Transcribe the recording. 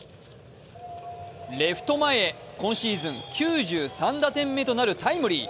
レフト前へ今シーズン９３打点目となるタイムリー。